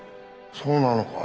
そうなのか。